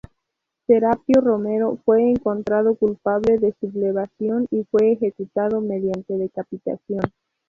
Serapio Romero, fue encontrado culpable de sublevación y fue ejecutado mediante decapitación.